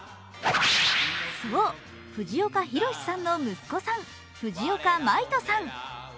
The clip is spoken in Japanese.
そう、藤岡弘、さんの息子さん、藤岡真威人さん。